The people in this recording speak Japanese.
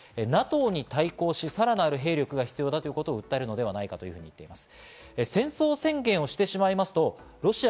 ＮＡＴＯに対抗し、さらなる兵力が必要だということを訴えるのではないかと言っています。